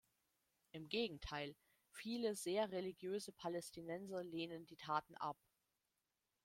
Im Gegenteil: viele sehr religiöse Palästinenser lehnen die Taten ab.